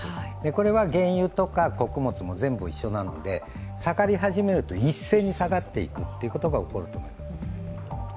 これは原油とか穀物も全部一緒なので、下がり始めると一斉に下がり始めるということが起きると思います。